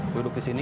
duduk di sini